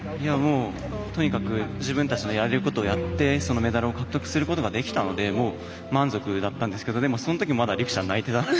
とにかく自分たちのやれることをやってメダルを獲得することができたのでもう満足だったんですけどもうそのとき璃来ちゃん泣いてたので。